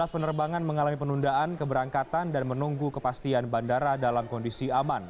dua belas penerbangan mengalami penundaan keberangkatan dan menunggu kepastian bandara dalam kondisi aman